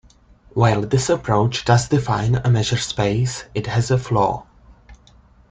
While this approach does define a measure space, it has a flaw.